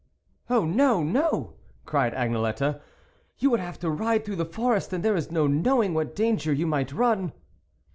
" Oh ! no, no !" cried Agnelette, " you would have to ride through the forest, and there is no knowing what danger you might run."